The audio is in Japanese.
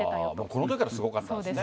このときからすごかったんですね。